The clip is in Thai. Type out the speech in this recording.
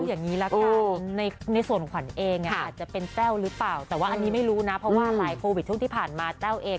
อย่างนี้ละคะในส่วนขวัญเองจะเป็นเต้าหรือเปล่า